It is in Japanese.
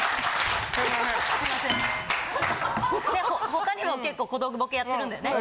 他にも結構小道具ボケやってるんだよね？